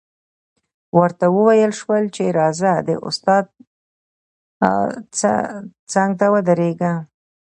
ورته وویل شول چې راځه د استاد څنګ ته ودرېږه